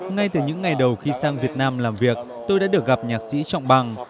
ngay từ những ngày đầu khi sang việt nam làm việc tôi đã được gặp nhạc sĩ trọng bằng